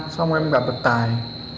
xong em gặp được tài